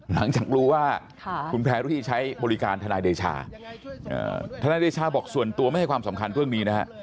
หลังจากรู้ว่าคุณแพรรี่ใช้บริการทนายเดชาทนายเดชาบอกส่วนตัวไม่ให้ความสำคัญเรื่องนี้นะฮะ